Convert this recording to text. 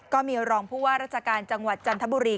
ก็มีรองผู้ว่าราชการจังหวัดจันทบุรี